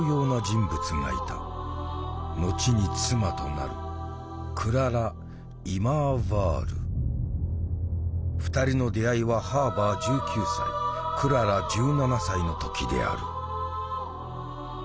後に妻となる２人の出会いはハーバー１９歳クララ１７歳の時である。